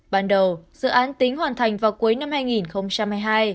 ban đầu dự án tính hoàn thành vào cuối năm hai nghìn hai mươi hai